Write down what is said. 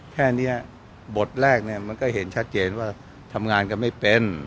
แค่นี้บทแรกเนี่ยมันก็เห็นชัดเจนว่าทำงานกันไม่เป็น